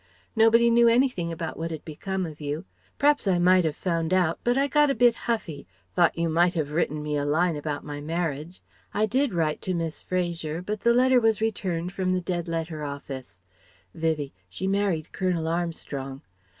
Nobody knew anything about what had become of you. P'raps I might have found out, but I got a bit huffy, thought you might have written me a line about my marriage. I did write to Miss Fraser, but the letter was returned from the Dead Letter office," (Vivie: "She married Colonel Armstrong.")